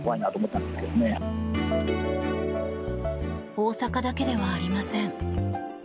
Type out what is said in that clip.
大阪だけではありません。